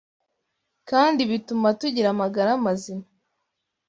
kandi bituma tugira amagara mazima.